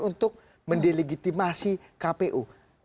untuk mendilegitimasi kpu